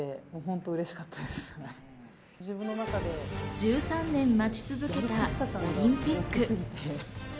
１３年待ち続けたオリンピック。